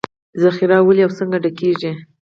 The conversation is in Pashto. ذخیرې ولې او څنګه ډکېږي